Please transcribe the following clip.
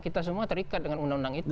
kita semua terikat dengan undang undang itu